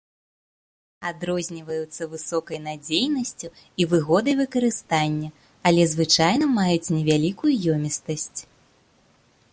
Адрозніваюцца высокай надзейнасцю і выгодай выкарыстанні, але звычайна маюць невялікую ёмістасць.